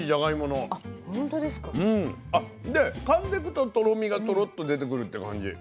でかんでくととろみがトロッと出てくるって感じ。